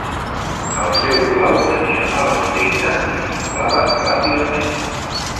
El seu blau tenia mal aspecte i s'inflava ràpidament.